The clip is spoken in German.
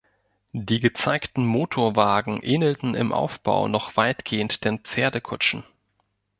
Die gezeigten Motorwagen ähnelten im Aufbau noch weitgehend den Pferdekutschen.